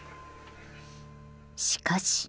しかし。